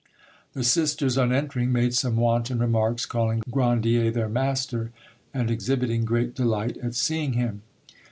The sisters on entering made some wanton remarks, calling Grandier their master, and exhibiting great delight at seeing him.